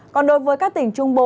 còn đối với các tỉnh trung bộ